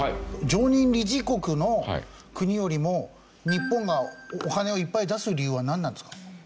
常任理事国の国よりも日本がお金をいっぱい出す理由はなんなんですか？